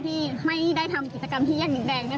ที่ไม่ได้ทำกิจกรรมที่แยกดินแดงด้วย